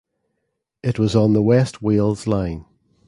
It was on the West Wales Line.